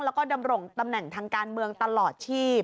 แล้วก็ดำรงตำแหน่งทางการเมืองตลอดชีพ